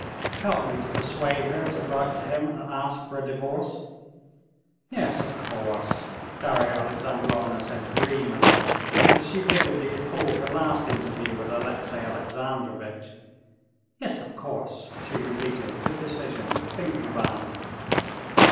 Help me to persuade her to write to him and ask for a divorce." "Yes, of course," Darya Alexandrovna said dreamily, as she vividly recalled her last interview with Alexey Alexandrovitch. "Yes, of course," she repeated with decision, thinking of Anna.